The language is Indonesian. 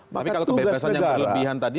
tapi kalau kebebasan yang berlebihan tadi